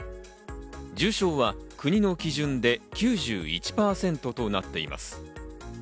重症は国の基準で９１％となっています。